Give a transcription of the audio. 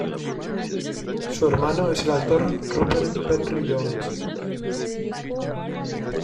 Su hermano es el actor Rupert Penry-Jones.